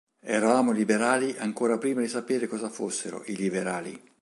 Eravamo liberali ancora prima di sapere cosa fossero, i liberali".